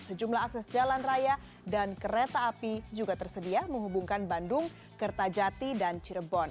sejumlah akses jalan raya dan kereta api juga tersedia menghubungkan bandung kertajati dan cirebon